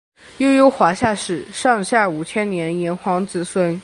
悠悠华夏史上下五千年炎黄子孙